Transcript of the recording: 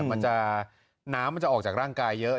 มันจะน้ำมันจะออกจากร่างกายเยอะ